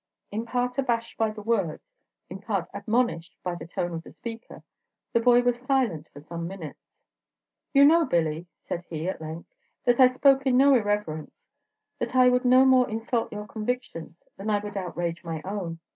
In part abashed by the words, in part admonished by the tone of the speaker, the boy was silent for some minutes. "You know, Billy," said he, at length, "that I spoke in no irreverence; that I would no more insult your convictions than I would outrage my own.